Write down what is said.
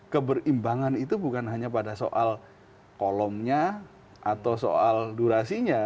keberimbangan itu bukan hanya pada soal kolomnya atau soal durasinya